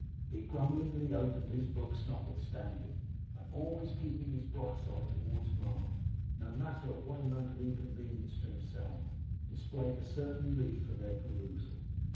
He grumblingly opened his books notwithstanding, and always keeping his bright side towards Mark, no matter at what amount of inconvenience to himself, displayed a certain leaf for their perusal.